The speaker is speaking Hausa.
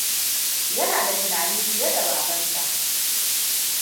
Yana da tunani fiye da babansa.